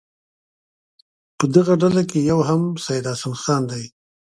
په دغه ډله کې یو هم سید حسن خان دی.